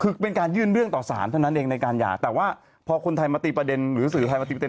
คือเป็นการยื่นเรื่องต่อสารเท่านั้นเองในการหย่าแต่ว่าพอคนไทยมาตีประเด็นหรือสื่อไทยมาตีประเด็